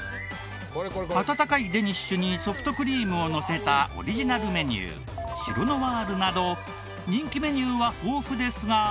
温かいデニッシュにソフトクリームをのせたオリジナルメニューシロノワールなど人気メニューは豊富ですが。